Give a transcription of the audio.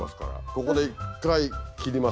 ここで１回切ります。